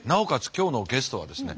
今日のゲストはですね